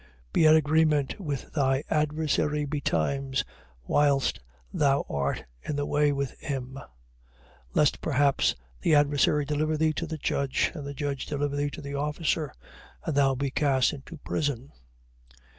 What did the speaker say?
5:25. Be at agreement with thy adversary betimes, whilst thou art in the way with him: lest perhaps the adversary deliver thee to the judge, and the judge deliver thee to the officer, and thou be cast into prison.